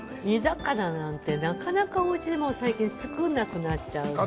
煮魚なんてなかなかおうちでもう最近作らなくなっちゃう。